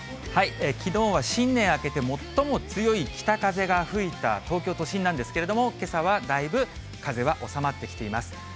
きのうは新年明けて最も強い北風が吹いた東京都心なんですけれども、けさはだいぶ風は収まってきています。